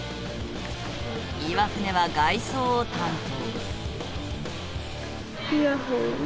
岩船は外装を担当。